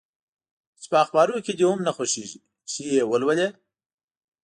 چي په اخبارو کي دي هم نه خوښیږي چي یې ولولې؟